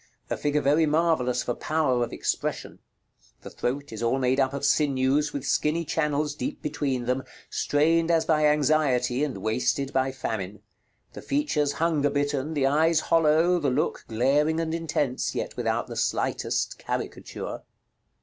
A figure very marvellous for power of expression. The throat is all made up of sinews with skinny channels deep between them, strained as by anxiety, and wasted by famine; the features hunger bitten, the eyes hollow, the look glaring and intense, yet without the slightest: caricature.